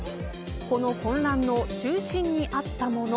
この混乱の中心にあったもの